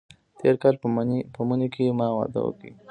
تېر کال په مني کې ما واده وکړ.